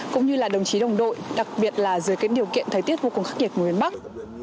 cũng như là đồng chí đồng đội đặc biệt là dưới cái điều kiện thời tiết vô cùng khắc nghiệt của miền bắc